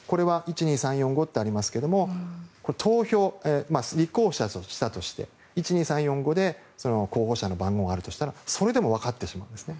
１、２、３、４、５とありますが立候補したとして１、２、３、４、５で候補者の番号があるとしたらそれでも分かってしまうんですね。